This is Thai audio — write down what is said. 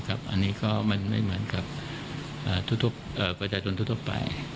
อันนี้ก็ไม่เหมือนกับประวัติธรรมทุกไป